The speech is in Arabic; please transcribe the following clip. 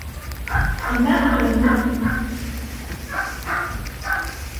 الماء جميل.